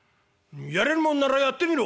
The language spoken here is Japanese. やれるもんならやってみろ」。